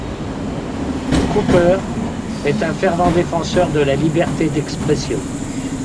Cooper était un fervent défenseur de la liberté d'expression.